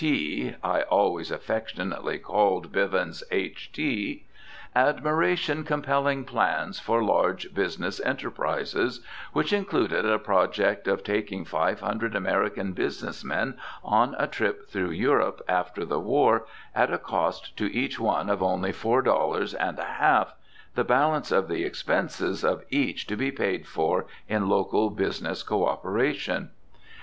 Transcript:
T. (I always affectionately call Bivens "H. T.") admiration compelling plans for large business enterprises, which included a project of taking five hundred American business men on a trip through Europe after the war at a cost to each one of only four dollars and a half, the balance of the expenses of each to be paid for in local business co operation.